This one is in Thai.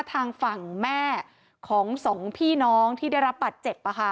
ทางฝั่งแม่ของสองพี่น้องที่ได้รับบัตรเจ็บ